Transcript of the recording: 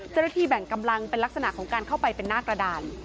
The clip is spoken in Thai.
เจ้าหน้าที่แบ่งกำลังเป็นลักษณะของการเข้าไปเป็นหน้ากระดาน